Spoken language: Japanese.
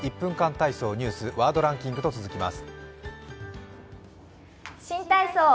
体操」、ニュース「ワードランキング」と続きます。